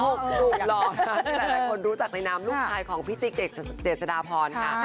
๖หนุ่มหล่อนครับที่แหลกคนรู้จักในน้ำลูกคลายของพี่สิ๊กเจสดาพรค่ะ